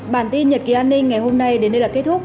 bản tin nhật ký an ninh ngày hôm nay đến đây là kết thúc